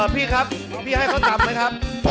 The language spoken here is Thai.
พี่ครับพี่ให้เขาตำนะครับ